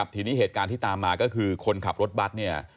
ทีนี้เหตุการณ์ที่ตามมาก็คือคนขับรถบัตรเนี่ย